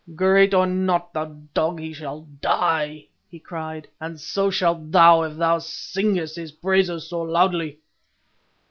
"Great or not, thou dog, he shall die," he cried, "and so shalt thou if thou singest his praises so loudly."